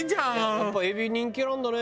やっぱエビ人気なんだね。